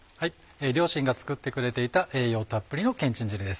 両親が作ってくれていた栄養たっぷりのけんちん汁です。